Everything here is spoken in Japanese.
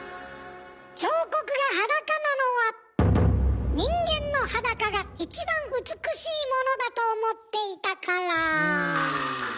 彫刻が裸なのは人間の裸が一番美しいものだと思っていたから。